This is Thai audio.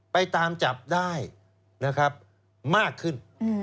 ไปตามจับได้นะครับมากขึ้น